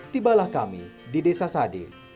tibalah kami di desa sade